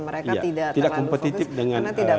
mereka tidak terlalu fokus